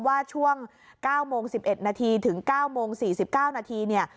ว่าช่วง๙โมง๑๑นาทีถึง๙โมง๔๙นาทีเนี่ย